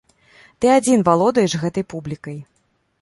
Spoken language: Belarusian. Ты адзін валодаеш гэтай публікай.